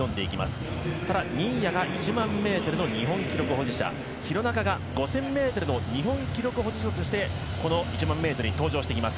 ただ、新谷が１００００ｍの日本記録保持者廣中が５０００ｍの日本記録保持者としてこの１００００ｍに登場してきます。